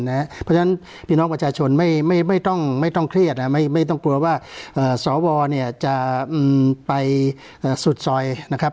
เพราะฉะนั้นพี่น้องประชาชนไม่ต้องเครียดไม่ต้องกลัวว่าสวเนี่ยจะไปสุดซอยนะครับ